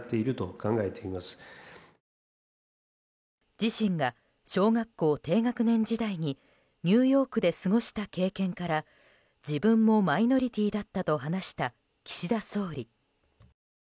自身が小学校低学年時代にニューヨークで過ごした経験から自分もマイノリティーだったと話した岸田総理。